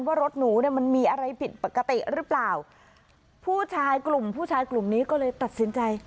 ว่ารถหนูเนี่ยมันมีอะไรผิดปกติหรือเปล่าผู้ชายกลุ่มผู้ชายกลุ่มนี้ก็เลยตัดสินใจ